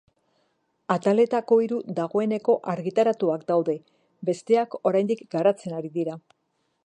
Ataletako hiru dagoeneko argitaratuak daude, besteak oraindik garatzen ari dira.